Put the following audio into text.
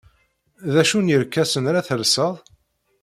D acu n yerkasen ara telsed?